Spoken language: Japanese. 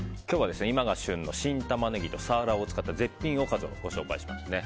今日は今が旬の新タマネギとサワラを使った絶品おかずをご紹介します。